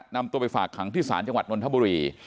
นำไปฝากหังที่ศาลจังหวัดนลธับุรี